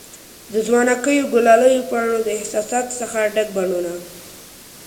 د ځوانکیو، ګلالیو پانو د احساساتو څخه ډک بڼوڼه